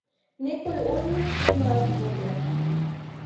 Некои од нив имаа двоглед.